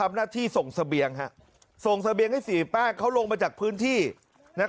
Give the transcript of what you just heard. หาวหาวหาวหาวหาวหาวหาวหาวหาวหาว